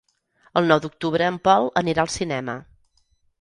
El nou d'octubre en Pol anirà al cinema.